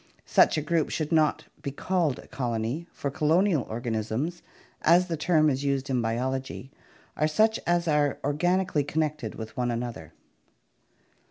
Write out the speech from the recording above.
Such a group should not be called a colony, for colonial organisms, as the term is used in Biology, are such as are organically connected with one another.